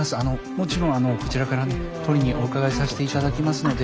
もちろんこちらから取りにお伺いさせて頂きますので。